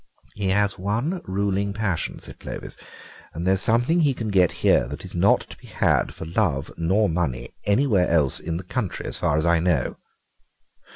"He has one ruling passion," said Clovis, "and there's something he can get here that is not to be had for love nor for money anywhere else in the country, as far as I know."